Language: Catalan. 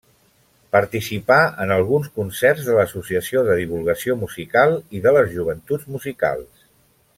Participà en alguns concerts de l’Associació de Divulgació Musical i de les Joventuts Musicals.